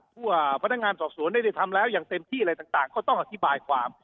พวกพนักงานสอบสวนได้ทำแล้วอย่างเต็มที่อะไรต่างก็ต้องอธิบายความ